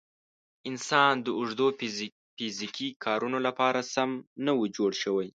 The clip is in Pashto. انسان د اوږدو فیزیکي کارونو لپاره سم نه و جوړ شوی.